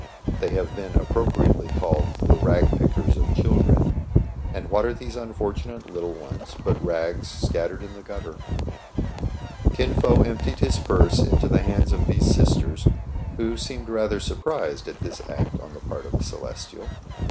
They have been appro priately called the " rag pickers of children." And what are these unfortunate little ones but rags scattered in the gutter } Kin Fo emptied his purse into the hands of these sisters, who seemed rather surprised at this act on the part of a Celestial.